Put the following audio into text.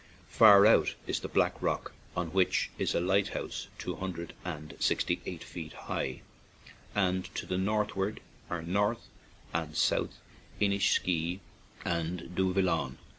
Far out is the Black Rock, on which is a light house two hun dred and sixty eight feet high, and to the northward are North and South In ishkea and Duvillaun.